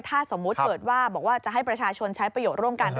ถ้าสมมุติเกิดว่าบอกว่าจะให้ประชาชนใช้ประโยชน์ร่วมกัน